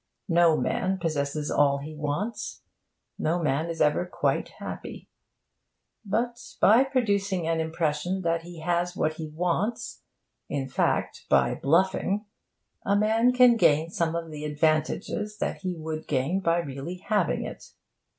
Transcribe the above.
No man possesses all he wants. No man is ever quite happy. But, by producing an impression that he has what he wants in fact, by 'bluffing' a man can gain some of the advantages that he would gain by really having it.